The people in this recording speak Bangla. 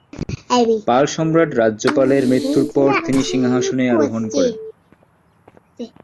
পাল সম্রাট রাজ্যপালের মৃত্যুর পর তিনি সিংহাসনে আরোহণ করেন।